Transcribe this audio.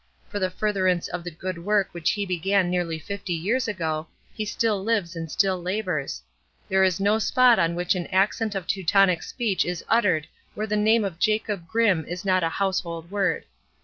For the furtherance of the good work which he began nearly fifty years ago, he still lives and still labours. There is no spot on which an accent of Teutonic speech is uttered where the name of Jacob Grimm is not a "household word".